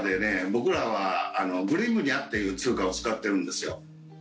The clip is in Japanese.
僕らはフリヴニャっていう通貨を使ってるんですよ。